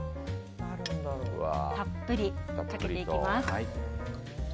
たっぷりかけていきます。